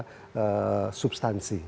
dari pada substansi